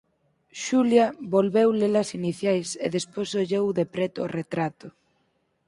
Xulia volveu le-las iniciais e despois ollou de preto o retrato.